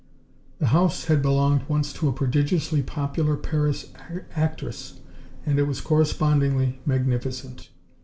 The house had belonged once to a prodigiously popular Paris actress, and it was correspondingly magnificent.